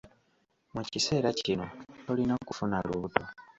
Mu kiseera kino tolina kufuna lubuto.